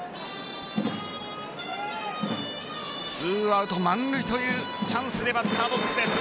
２アウト満塁というチャンスでバッターボックスです。